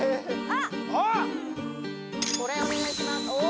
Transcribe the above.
これお願いします